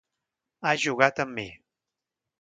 Has jugat amb mi.